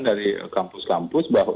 dari kampus kampus bahwa